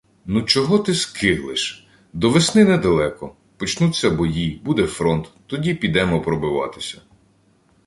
— Ну чого ти скиглиш? До весни недалеко! Почнуться бої, буде фронт — тоді підемо пробиватися!